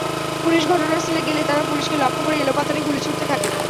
Police ঘটনাস্থলে গেলে তারা পুলিশকে লক্ষ্য করে এলোপাতাড়ি গুলি ছুড়তে থাকে।